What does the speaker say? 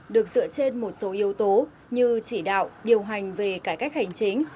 dựa trên một số yếu tố như chỉ đạo điều hành về cải cách hành trình